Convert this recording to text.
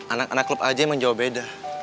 anak anak klub aja yang jauh beda